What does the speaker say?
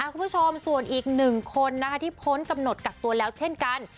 คุณผู้ชมส่วนอีกหนึ่งคนที่พ้นกำหนดกักตัวแล้วเช่นกัน